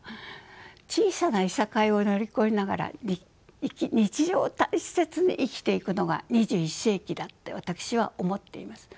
小さないさかいを乗り越えながら日常を大切に生きていくのが２１世紀だって私は思っています。